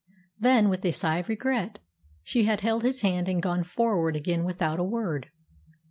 Then, with a sigh of regret, she had held his hand and gone forward again without a word.